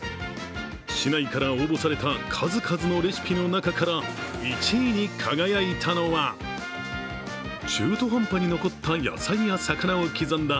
市内から応募された、数々のレシピの中から、１位に輝いたのは中途半端に残った野菜や魚を刻んだ